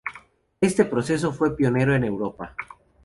Este proceso fue pionero en Europa.